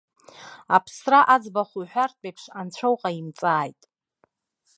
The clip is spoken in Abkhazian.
Аԥсра аӡбахә уҳәартә анцәа уҟаимҵааит.